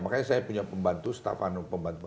makanya saya punya pembantu staff an pembantu